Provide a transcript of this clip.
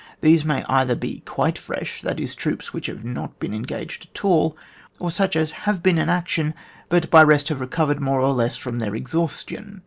These may either be quite fresh, that is, troops which have not been engaged at all, or such as have been in action, but by rest have recovered more or less from their exhaustion.